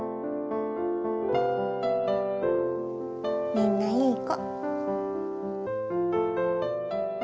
みんないい子。